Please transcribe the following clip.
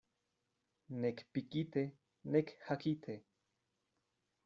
Nek pikite, nek hakite.